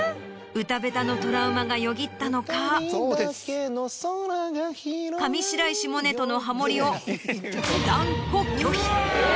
歌下手のトラウマがよぎったのか上白石萌音とのハモりを。